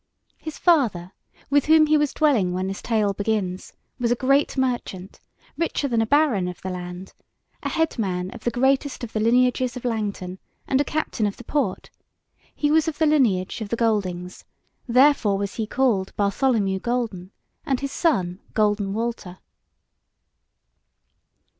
His father, with whom he was dwelling when this tale begins, was a great merchant, richer than a baron of the land, a head man of the greatest of the Lineages of Langton, and a captain of the Porte; he was of the Lineage of the Goldings, therefore was he called Bartholomew Golden, and his son Golden Walter.